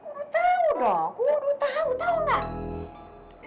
lu udah tau tau gak